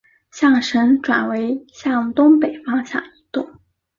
象神转为向东北方向移动。